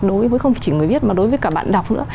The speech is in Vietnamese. đối với không chỉ người viết mà đối với cả bạn đọc nữa